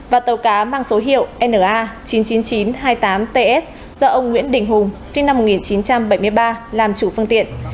và tàu cá mang số hiệu na chín mươi chín nghìn chín trăm hai mươi tám ts do ông nguyễn đình hùng sinh năm một nghìn chín trăm bảy mươi ba làm chủ phương tiện